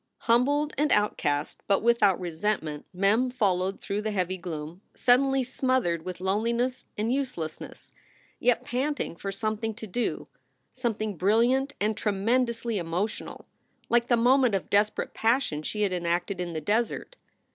Humbled and outcast, but without resentment, Mem fol lowed through the heavy gloom, suddenly smothered with SOULS FOR SALE 143 loneliness and uselessness, yet panting for something to do, something brilliant and tremendously emotional, like the moment of desperate passion she had enacted in the desert.